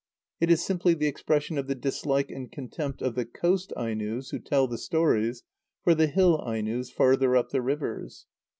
It is simply the expression of the dislike and contempt of the coast Ainos, who tell the stories, for the hill Ainos further up the rivers.